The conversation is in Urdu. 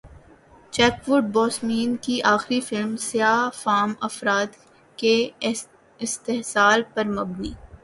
چیڈوک بوسمین کی اخری فلم سیاہ فام افراد کے استحصال پر مبنی